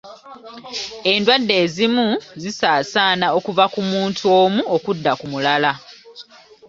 Endwadde ezimu zisaasaana okuva ku omuntu omu okudda ku mulala.